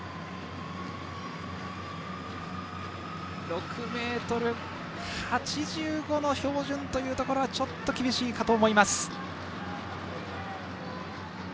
６ｍ８５の標準というところはちょっと厳しいかと思います。